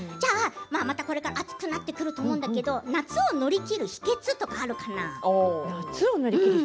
これから暑くなってくると思うんだけれど夏を乗り切る秘けつとあるかな？